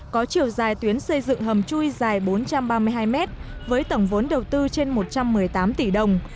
có chiều dài tuyến xây dựng hầm chui dài bốn trăm ba mươi hai mét với tổng vốn đầu tư trên một trăm một mươi tám tỷ đồng